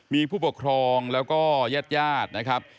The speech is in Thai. มีผู้ปกครองแล้วก็ญาติญาตินะครับ